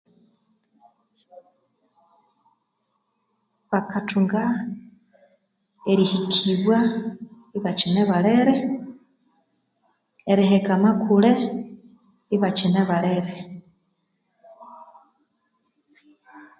Bakathunga erihikibwa ibakyine balere eriheka amakule ibakyine balere